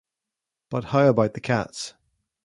But how about the cats?